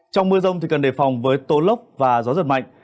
trong mưa rông thì cần đề phòng với tô lốc và gió giật mạnh